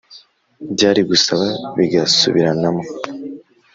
byari gusara bigasubiranamo